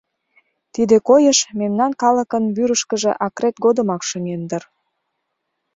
Тиде койыш мемнан калыкын вӱрышкыжӧ акрет годымак шыҥен дыр.